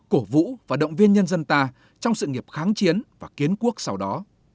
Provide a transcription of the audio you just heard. cổ vũ và động viên nhân dân ta trong sự nghiệp kháng chiến và kiến quốc sau đó